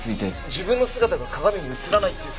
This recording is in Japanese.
自分の姿が鏡に映らないっていう。